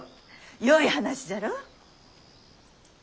よい話じゃろ？